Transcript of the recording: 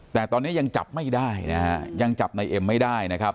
แต่ตอนนี้ยังจับไม่ได้นะฮะยังจับนายเอ็มไม่ได้นะครับ